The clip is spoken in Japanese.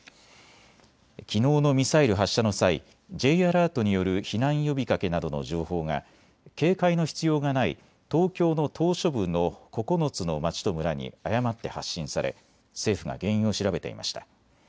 きのうのミサイル発射の際、Ｊアラートによる避難呼びかけなどの情報が警戒の必要がない東京の島しょ部の９つの町と村に誤って発信され政府が原因を調べていました。